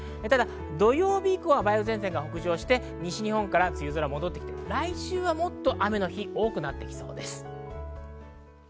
土曜日以降は梅雨前線が北上して西日本から梅雨空が戻ってきて、来週はもっと雨の日が多くなりそうです。